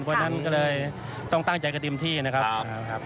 เพราะฉะนั้นก็เลยต้องตั้งใจกันเต็มที่นะครับ